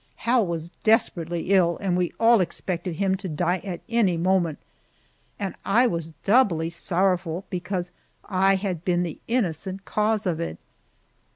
Hal was desperately ill and we all expected him to die at any moment, and I was doubly sorrowful, because I had been the innocent cause of it.